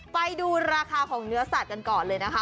ไปดูราคาของเนื้อสัตว์กันก่อนเลยนะคะ